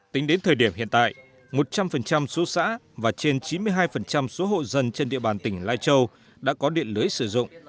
tính đến thời điểm hiện tại một trăm linh số xã và trên chín mươi hai số hộ dân trên địa bàn tỉnh lai châu đã có điện lưới sử dụng